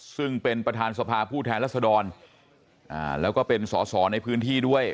ซึ่งเป็นประธานสภาผู้แทนรัศดรแล้วก็เป็นสอสอในพื้นที่ด้วย